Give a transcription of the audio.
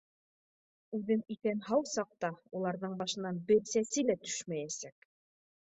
Үҙем иҫән-һау саҡта уларҙың башынан бер сәсе лә төшмәйәсәк!